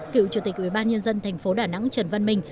cựu chủ tịch ubnd thành phố đà nẵng trần văn minh